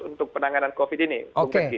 untuk penanganan covid ini oke